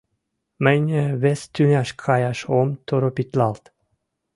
Мынь вес тӱняш каяш ом торопитлалт...